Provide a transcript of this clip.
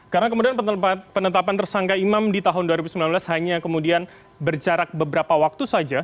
karena kemudian penetapan tersangka imam di tahun dua ribu sembilan belas hanya kemudian berjarak beberapa waktu saja